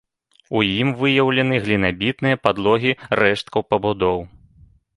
У ім выяўлены глінабітныя падлогі рэшткаў пабудоў.